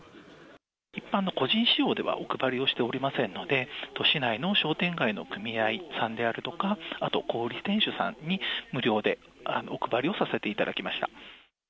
一般の個人使用ではお配りをしておりませんので、市内の商店街の組合さんであるとか、あと、小売り店主さんに無料でお配りをさせていただきました。